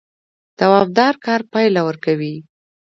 دوامدار کار پایله ورکوي